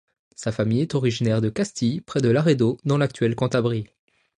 Sa famille est originaire de Castille, près de Laredo dans l'actuelle Cantabrie.